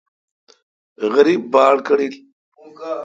غریب باڑ کڑل۔